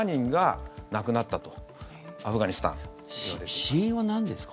死因はなんですか？